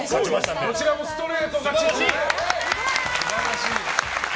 どちらもストレート勝ち。